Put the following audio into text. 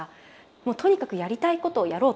もうとにかくやりたいことをやろうと。